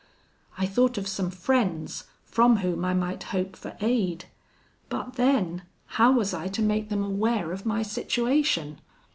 I thought of some friends from whom I might hope for aid, but then, how was I to make them aware of my situation?